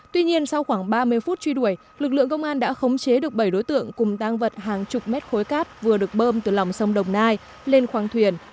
tuy nhiên sau khoảng ba mươi phút truy đuổi lực lượng công an đã khống chế được bảy đối tượng cùng tăng vật hàng chục mét khối cát vừa được bơm từ lòng sông đồng nai lên khoang thuyền